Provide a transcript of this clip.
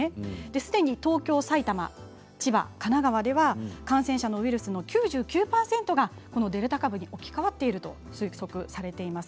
すでに、東京、埼玉、千葉神奈川では感染者のウイルスの９９％がこのデルタ株に置き換わっていると推測されています。